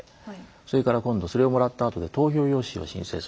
それから今度それをもらったあとで投票用紙を申請する時。